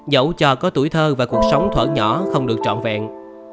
dẫu cho có tuổi thơ và cuộc sống thoải nhỏ không được trọn vẹn